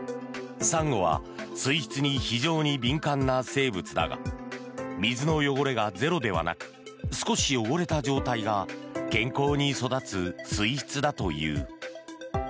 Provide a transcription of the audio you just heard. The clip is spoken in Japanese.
サンゴは水質に非常に敏感な生物だが水の汚れがゼロではなく少し汚れた状態が健康に育つ水質だという。